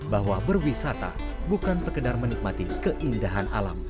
bahwa berwisata bukan sekedar menikmati keindahan alam